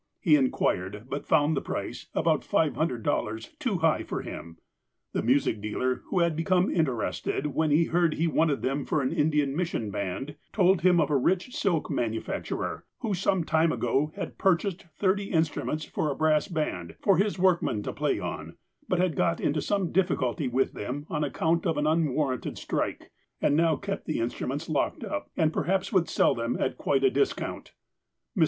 He inquired, but found the price, about $500, too high for him. The music dealer who had become interested when he heard he wanted them for an Indian mission band, told him of a rich silk manu facturer, who, some time ago, had purchased thirty in struments for a brass band, for his workmen to play on • but had got into some difficulty with them on account of an unwarranted strike, and now kept the instruments locked up, and perhaps would sell them at quite a dis count. Mr.